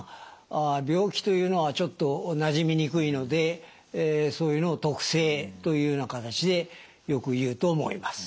病気と言うのはちょっとなじみにくいのでそういうのを特性というような形でよく言うと思います。